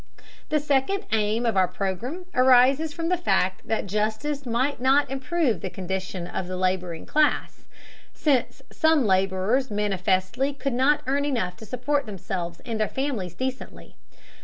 The second aim of our program arises from the fact that justice might not improve the condition of the laboring class, since some laborers manifestly could not earn enough to support themselves and their families decently.